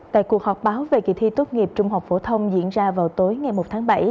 tại cuộc họp báo về kỳ thi tốt nghiệp trung học phổ thông diễn ra vào tối ngày một tháng bảy